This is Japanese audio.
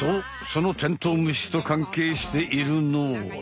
そのテントウムシと関係しているのは。